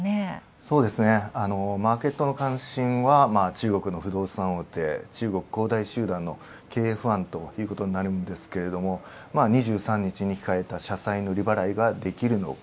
そうですね、マーケットの関心は中国の不動産大手、中国恒大集団の経営不安ということになるんですけども、２３日に控えた社債の利払いができるのか。